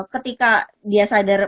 ketika dia sadar